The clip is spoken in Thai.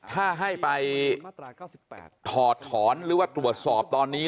ถ้าให้ไปถอดถอนหรือว่าตรวจสอบตอนนี้